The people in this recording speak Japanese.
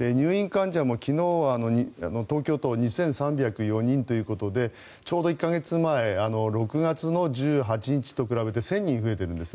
入院患者も昨日は東京都は２３０４人ということでちょうど１か月前６月１８日と比べて１０００人増えているんですね。